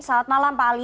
selamat malam pak ali